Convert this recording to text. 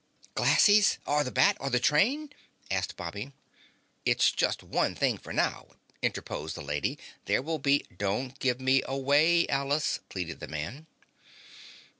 "'Glassies' or the bat or the train?" asked Bobby. "It's just one thing for now," interposed the lady. "There will be " "Don't give me away, Alice," pleaded the man.